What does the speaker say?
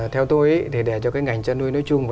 theo tôi để cho ngành chăn nuôi nói chung